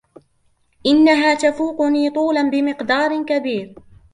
إنها تفوقني طولاً بمقدار كبير.